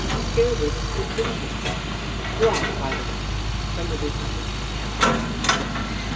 Here were the statistics! (drawn, by the way, from the Republican Campaign book).